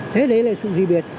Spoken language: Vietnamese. thế đấy là sự dị biệt